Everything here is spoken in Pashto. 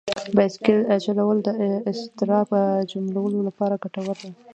بایسکل چلول د اضطراب کمولو لپاره ګټور دي.